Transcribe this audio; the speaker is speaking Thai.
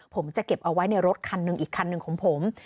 ผมจะเก็บเอาไว้ในรถคันหนึ่งอีกคันหนึ่งของผม